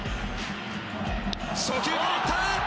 初球からいった！